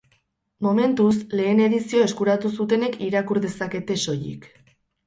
Momentuz, lehen edizioa eskuratu zutenek irakur dezakete soilik.